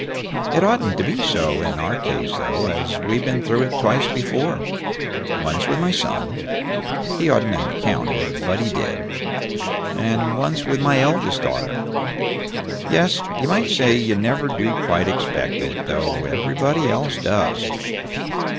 It oughtn't be so in our case, though, as we've been through it twice before: once with my son he oughtn't to have counted, but he did and once with my eldest daughter. Yes, you might say you never do quite expect it, though everybody else does.